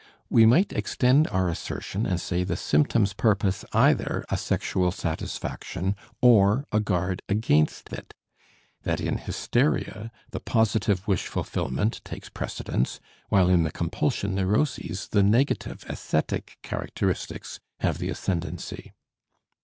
We might extend our assertion and say the symptoms purpose either a sexual satisfaction or a guard against it; that in hysteria the positive wish fulfillment takes precedence, while in the compulsion neuroses the negative, ascetic characteristics have the ascendancy.